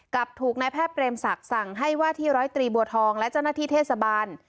กลับถูกนายแพทย์เปรมศักดิ์สั่งให้ว่าที่ร้อยตรีบัวทองและเจ้าหน้าที่เทศบาล